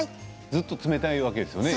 ずっと冷たいわけですよね。